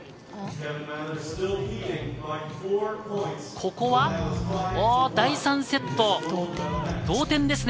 ここは、第３セット、同点ですね。